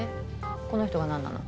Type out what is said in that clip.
この人がなんなの？